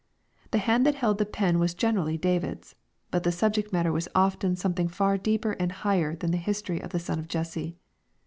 The hand that held the pen was generally David's. But the subject matter was often something far deeper and higher than the history of the son of Jesse.